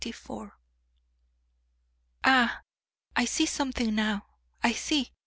Ah, I see something now! I see!